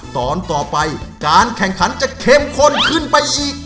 ตอนต่อไปการแข่งขันจะเข้มข้นขึ้นไปอีก